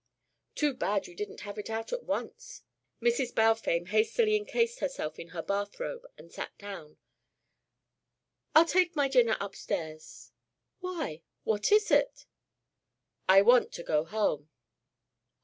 "Too bad you didn't have it out at once." Mrs. Balfame hastily encased herself in her bath robe and sat down. "I'll take my dinner upstairs why what is it?" "I want to go home."